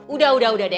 udah udah udah deh